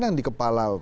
yang di kepala